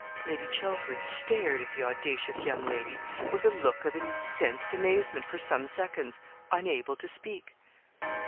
Lady Chelford stared at the audacious young lady with a look of incensed amazement for some seconds, unable to speak.